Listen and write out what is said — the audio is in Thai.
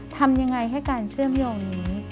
ทำยังไงให้การเชื่อมโยงนี้